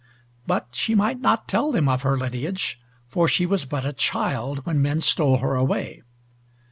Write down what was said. But she might not tell them of her lineage, for she was but a child when men stole her away.